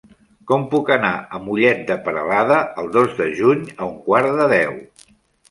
Com puc anar a Mollet de Peralada el dos de juny a un quart de deu?